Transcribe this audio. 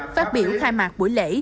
phát biểu khai mạc buổi lễ